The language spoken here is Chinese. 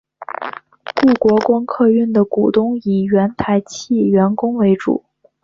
故国光客运的股东以原台汽员工为主。